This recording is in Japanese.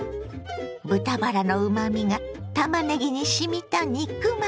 豚バラのうまみがたまねぎにしみた肉巻き。